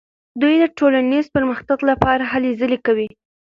دوی د ټولنیز پرمختګ لپاره هلې ځلې کوي.